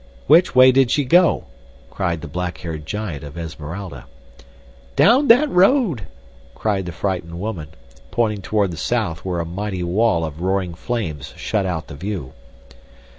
"Which way did she go?" cried the black haired giant of Esmeralda. "Down that road," cried the frightened woman, pointing toward the south where a mighty wall of roaring flames shut out the view.